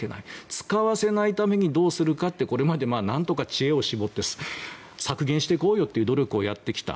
使わせないためにどうするかとこれまで何とか知恵を絞ってきて削減していこうよという努力をやってきた。